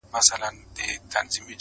پښتانه چي له قلم سره اشنا کړو،